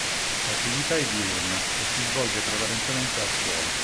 L'attività è diurna e si svolge prevalentemente al suolo.